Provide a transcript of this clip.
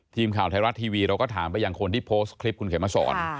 ทีมข่าวไทยรัฐทีวีเราก็ถามไปยังคนที่โพสต์คลิปคุณเขมสอน